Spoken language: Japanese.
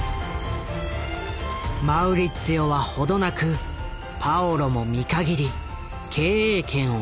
マウリッツィオは程なくパオロも見限り経営権を掌握。